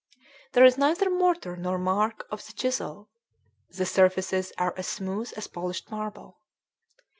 There is neither mortar nor mark of the chisel; the surfaces are as smooth as polished marble.